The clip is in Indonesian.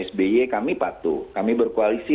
sby kami patuh kami berkoalisi